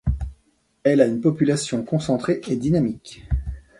Elle a une population concentrée et dynamique.